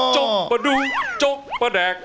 จ๊กประดูกจ๊กประแดก